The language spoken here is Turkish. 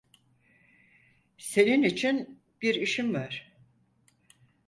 Senin için bir işim var.